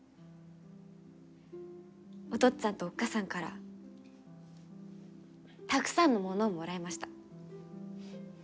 お父っつぁんと、おっ母さんからたくさんのものを、もらいました。